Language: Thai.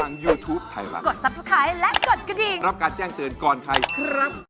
เมื่อเกินไปใจถึงช้ำบ่อย